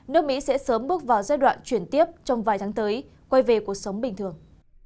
nước mỹ sẽ sớm bước vào giai đoạn chuyển tiếp trong vài tháng tới quay về cuộc sống bình thường